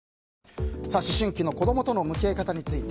思春期の子供との向き合い方について。